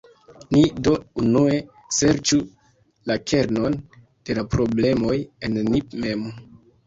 Ni do unue serĉu la kernon de la problemoj en ni mem.